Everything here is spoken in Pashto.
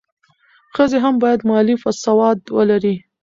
ښځې هم باید مالي سواد ولري.